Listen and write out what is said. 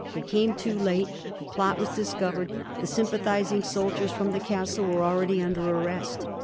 They came too late; the plot was dis* covered ; the sympathismg soldiers from the Castle were already mider arrest.